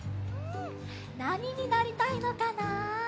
なにになりたいのかな？